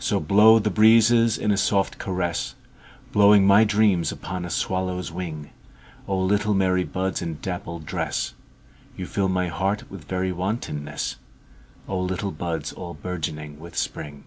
So blow the breezes in a soft caress, Blowing my dreams upon a swallow's wing;O little merry buds in dappled dress, You fill my heart with very wantonness—O little buds all bourgeoning with Spring!